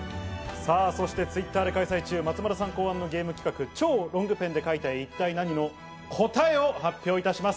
そしてＴｗｉｔｔｅｒで開催中、松丸さん考案のゲーム企画「超ロングペンで描いた絵一体ナニ！？」の答えを発表いたします。